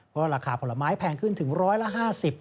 เพราะราคาผลไม้แพงขึ้นถึงร้อยละ๕๐บาท